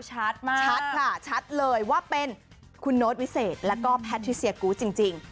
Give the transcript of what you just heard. ชัดมากชัดค่ะชัดเลยว่าเป็นคุณโน้ตวิเศษแล้วก็แพทิเซียกูธจริง